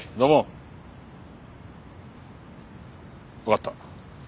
わかった。